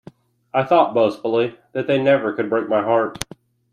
I thought, boastfully, that they never could break my heart.